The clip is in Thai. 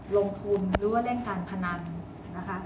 ลงทุนหรือว่าเล่นการพนันนะคะ